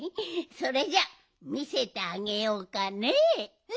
それじゃあみせてあげようかねえ。